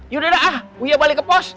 yaudah dah uya balik ke pos